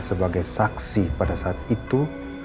sebagai saksi pada saat itu